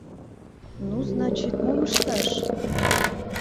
Ну, значит, мом ышташ?